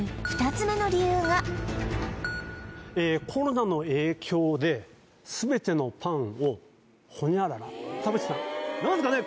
２つ目の理由がコロナの影響で全てのパンを○○田渕さん何すかね